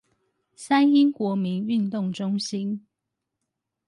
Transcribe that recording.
三鶯國民運動中心